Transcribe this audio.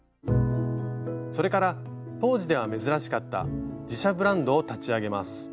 それから当時では珍しかった自社ブランドを立ち上げます。